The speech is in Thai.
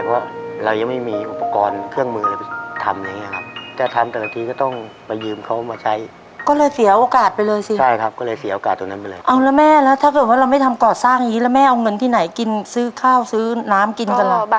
เพราะเรายังไม่มีอุปกรณ์เครื่องมืออะไรไปทำอย่างนี้ครับ